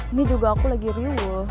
ini juga aku lagi riuh